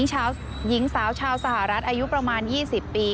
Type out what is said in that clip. หญิงสาวชาวสหรัฐอายุประมาณ๒๐ปี